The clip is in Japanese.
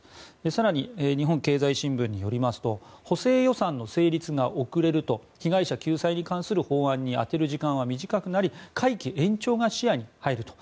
更に日本経済新聞によりますと補正予算の成立が遅れると被害者救済に関する法案に充てる時間は短くなり会期延長が視野に入ると。